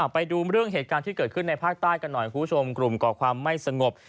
ไปดูเรื่องเหตุการณ์ที่เกิดขึ้นในภาคใต้กันหน่อยคุณผู้ชมกลุ่มก่อความไม่สงบ